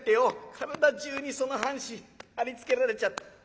体じゅうにその半紙貼り付けられちゃって。